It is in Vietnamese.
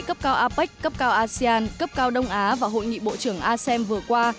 cấp cao apec cấp cao asean cấp cao đông á và hội nghị bộ trưởng asem vừa qua